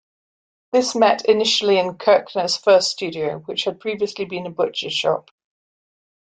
This met initially in Kirchner's first studio, which had previously been a butcher's shop.